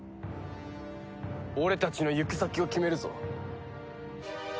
俺たちの行く先を決めるぞ。